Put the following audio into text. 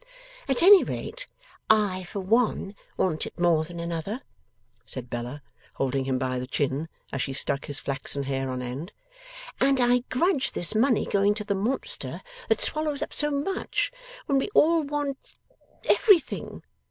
'At any rate I, for one, want it more than another,' said Bella, holding him by the chin, as she stuck his flaxen hair on end, 'and I grudge this money going to the Monster that swallows up so much, when we all want Everything.